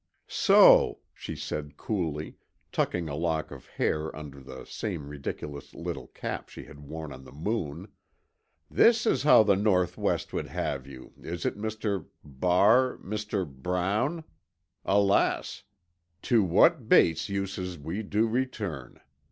"So," she said coolly, tucking a lock of hair under the same ridiculous little cap she had worn on the Moon, "this is how the Northwest would have you, is it, Mr. Bar—Mr. Brown. Alas! 'To what base uses we do return.